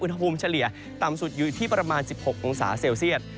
อุณหภูมิเฉลี่ยต่ำสุดอยู่ที่ประมาณ๑๖องศาเซลเซียต